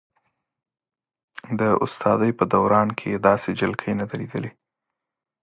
د استادۍ په دوران کې یې داسې جلکۍ نه ده لیدلې.